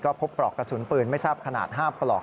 พบปลอกกระสุนปืนไม่ทราบขนาด๕ปลอก